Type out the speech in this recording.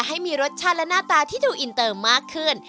ให้มีรสชาติและหน้าตาที่ดูอินเตอร์มากขึ้น